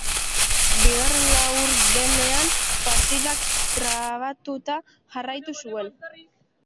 Bigarren laurdenean partidak trabatuta jarraitu zuen.